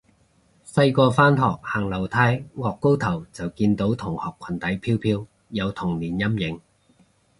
細個返學行樓梯，顎高頭就見到同學裙底飄飄，有童年陰影